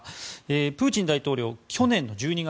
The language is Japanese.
プーチン大統領、去年の１２月